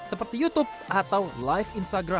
seperti youtube atau live instagram